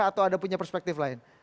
atau ada punya perspektif lain